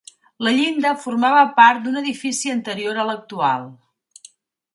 La llinda formava part d'un edifici anterior a l'actual.